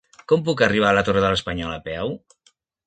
Com puc arribar a la Torre de l'Espanyol a peu?